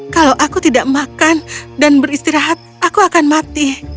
kalau aku tidak makan dan beristirahat aku akan mati